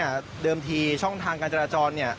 เช่นช่องทางกาญจารจร